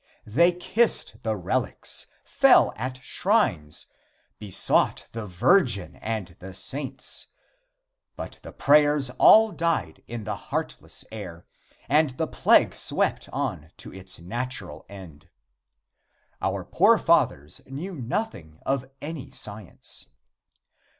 They kissed the relics, fell at shrines, besought the Virgin and the saints, but the prayers all died in the heartless air, and the plague swept on to its natural end. Our poor fathers knew nothing of any science.